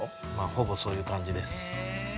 ◆ほぼ、そういう感じです。